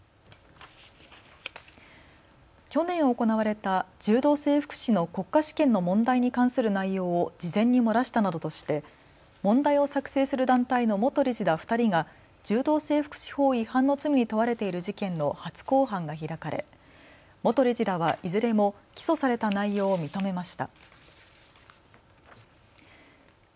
去年、行われた柔道整復師の国家試験の問題に関する内容を事前に漏らしたなどとして問題を作成する団体の元理事ら２人が柔道整復師法違反の罪に問われている事件の初公判が開かれ元理事らはいずれも起訴された内容を認めました。